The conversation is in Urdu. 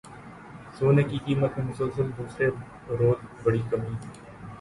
سونے کی قیمت میں مسلسل دوسرے روز بڑی کمی